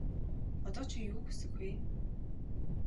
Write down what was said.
Одоо чи юу хүсэх вэ?